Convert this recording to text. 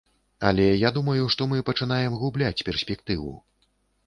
Але я думаю, што мы пачынаем губляць перспектыву.